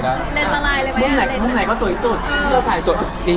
รูปไหนก็สวยสุด